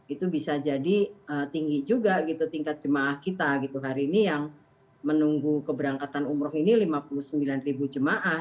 itu bisa jadi tinggi juga gitu tingkat jemaah kita gitu hari ini yang menunggu keberangkatan umroh ini lima puluh sembilan ribu jemaah